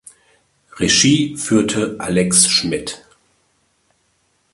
Regie führte Alex Schmidt.